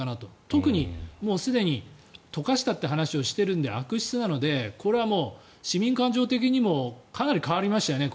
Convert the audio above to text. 特にすでに溶かしたという話をしているので悪質なのでこれは市民感情的にもかなり変わりましたよね。